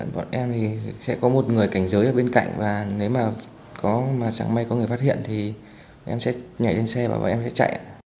bọn em thì sẽ có một người cảnh giới ở bên cạnh và nếu mà chẳng may có người phát hiện thì em sẽ nhảy lên xe và bọn em sẽ chạy